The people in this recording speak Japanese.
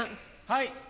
はい。